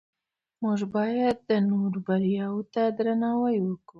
موږ باید د نورو بریا ته درناوی وکړو